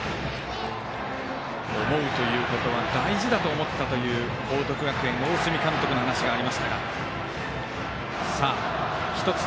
思うということは大事だと思ったという報徳学園大角監督の話がありましたが。